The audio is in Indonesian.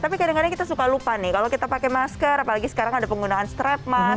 tapi kadang kadang kita suka lupa nih kalau kita pakai masker apalagi sekarang ada penggunaan strap mas